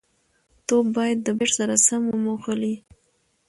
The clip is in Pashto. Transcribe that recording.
توپ باید د بېټ سره سم وموښلي.